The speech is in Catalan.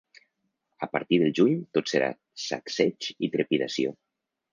A partir del juny, tot serà sacseig i trepidació.